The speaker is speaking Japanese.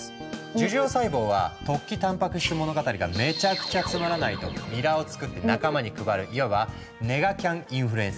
樹状細胞は「突起たんぱく質物語」がめちゃくちゃつまらないとビラをつくって仲間に配るいわばネガキャンインフルエンサーだ。